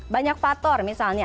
banyak faktor misalnya